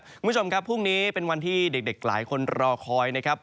คุณผู้ชมครับพรุ่งนี้เป็นวันที่เด็กหลายคนรอคอยนะครับ